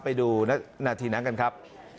ไปดูนาทีนั้นกันครับ